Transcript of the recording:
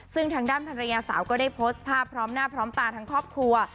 ซึ่งทางด้านภรรยาสาวก็ได้โพสต์ภาพพร้อมหน้าพร้อมตาทั้งครอบครัว